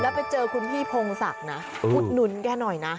ไปเจอคุณพี่พงศักดิ์นะอุดหนุนแกหน่อยนะ